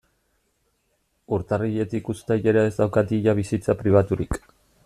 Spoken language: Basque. Urtarriletik uztailera ez daukat ia bizitza pribaturik.